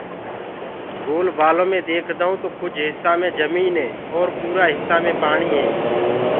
گول بآلو مي ديکدآئونٚ تو ڪجھ هِسآ مي جميٚني اور پورآ هِسآ مي پآڻيٚ هي